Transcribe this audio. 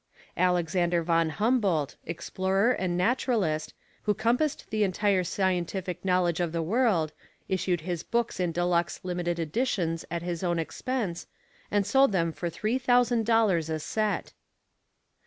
Alexander von Humboldt, explorer and naturalist, who compassed the entire scientific knowledge of the world, issued his books in deluxe limited editions at his own expense, and sold them for three thousand dollars a set.